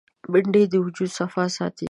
بېنډۍ د وجود صفا ساتي